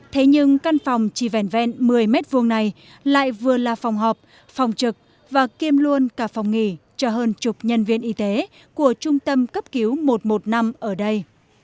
thế nhưng căn phòng chỉ vẹn vẹn một mươi m hai này lại vừa là phòng họp phòng trực và kiêm luôn cả phòng nghỉ cho hơn chục nhân viên y tế của trung tâm cấp cứu một trăm một mươi năm ở đây